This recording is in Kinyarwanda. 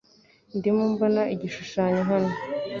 Ndimo mbona igishushanyo hano .